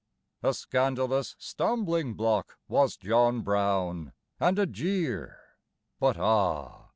A scandalous stumbling block was John Brown, And a jeer; but ah!